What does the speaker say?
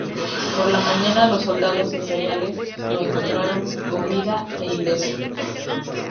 Por la mañana los soldados imperiales lo encontraron con vida e ileso.